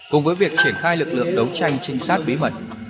cùng với việc triển khai lực lượng đấu tranh trinh sát bí mật